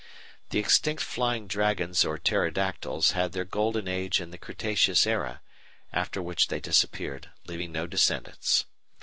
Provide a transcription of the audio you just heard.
The extinct Flying Dragons or Pterodactyls had their golden age in the Cretaceous era, after which they disappeared, leaving no descendants.